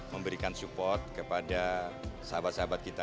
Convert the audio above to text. memberikan support kepada sahabat sahabat kita